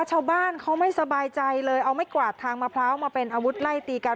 ชาวบ้านเขาไม่สบายใจเลยเอาไม่กวาดทางมะพร้าวมาเป็นอาวุธไล่ตีกัน